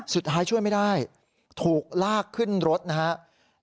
ช่วยไม่ได้ถูกลากขึ้นรถนะครับ